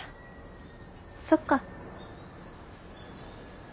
そっか。